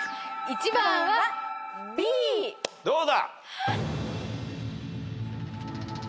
どうだ？